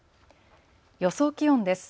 予想気温です。